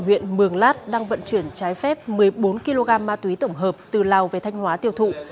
công an tỉnh thường lát đang vận chuyển trái phép một mươi bốn kg ma túy tổng hợp từ lào về thanh hóa tiêu thụ